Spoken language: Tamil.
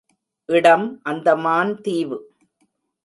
இடம் அந்தமான் தீவு.